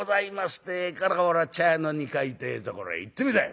ってえから俺は茶屋の二階ってえところへ行ってみたよ。